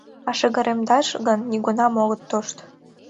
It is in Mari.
А шыгыремдаш гын — нигунам огыт тошт!